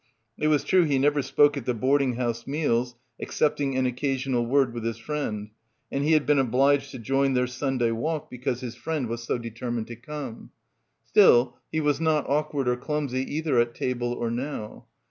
It was true he never spoke at the board ing house meals, excepting an occasional word with his friend, and he had been obliged to join their Sunday walk because his friend was so — 221 — PILGRIMAGE determined to come. Still he was not awkward or clumsy either at table or now.